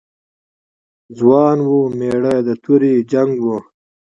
ځوان و، مېړه د تورې جنګ و.